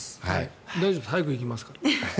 大丈夫です早く行きますから。